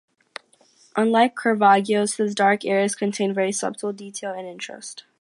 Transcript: Unlike Caravaggio's, his dark areas contain very subtle detail and interest.